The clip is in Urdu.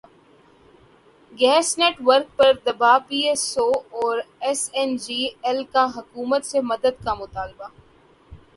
گیس نیٹ ورک پر دبا پی ایس او اور ایس این جی ایل کا حکومت سے مدد کا مطالبہ